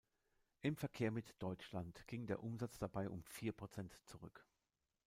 Im Verkehr mit Deutschland ging der Umsatz dabei um vier Prozent zurück.